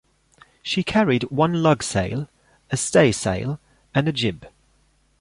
She carried one lug sail, a staysail and a jib.